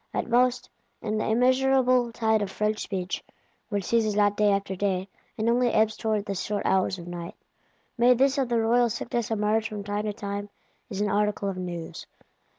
At most, in the immeasurable tide of French Speech (which ceases not day after day, and only ebbs towards the short hours of night), may this of the royal sickness emerge from time to time as an article of news.